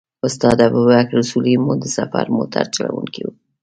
استاد ابوبکر اصولي مو د سفر موټر چلوونکی و.